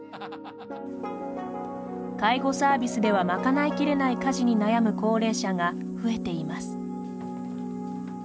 介護サービスではまかないきれない家事に悩む高齢者が増えています。